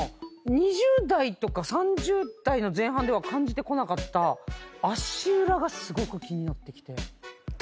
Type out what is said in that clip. ２０代とか３０代の前半では感じてこなかった足裏がすごく気になってきて。